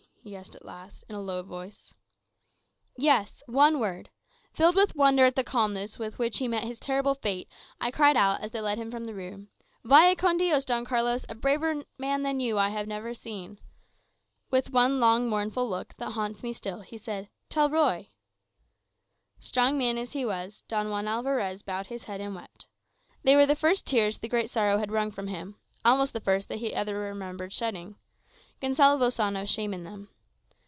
he asked at last, in a low voice. "Yes; one word. Filled with wonder at the calmness with which he met his terrible fate, I cried out, as they led him from the room, 'Vaya con Dios, Don Carlos, a braver man than you have I never seen!' With one long mournful look, that haunts me still, he said, 'Tell Ruy!'" Strong man as he was, Don Juan Alvarez bowed his head and wept. They were the first tears the great sorrow had wrung from him almost the first that he ever remembered shedding. Gonsalvo saw no shame in them.